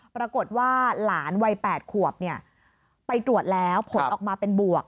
ปรากฏว่าหลานวัย๘ขวบไปตรวจแล้วผลออกมาเป็นบวก